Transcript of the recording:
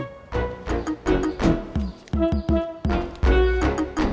assalamualaikum warahmatullahi wabarakatuh